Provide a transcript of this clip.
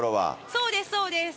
そうです、そうです。